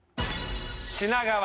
品川。